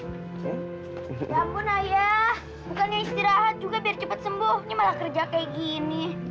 bukannya istirahat juga biar cepet sembuh ini malah kerja kayak gini